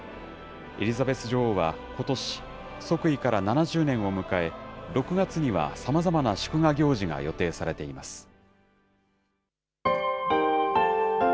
エリザベス女王はことし、即位から７０年を迎え、６月にはさまざまな祝賀行事が予定されています。